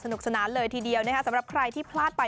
นุกสนานเลยทีเดียวนะคะสำหรับใครที่พลาดไป